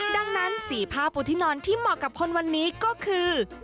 ดังนั้นสีผ้าพุทธินอนที่เหมาะกับคนวันนี้ก็คือ